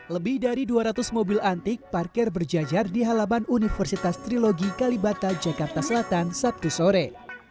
lebih dari dua ratus mobil antik parkir berjajar di halaman universitas trilogi kalibata jakarta selatan sabtu sore